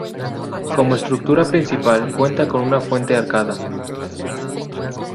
Como estructura principal, cuenta con una fuente arcada.